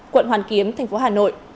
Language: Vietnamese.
quận hoàn kiếm thành phố hà nội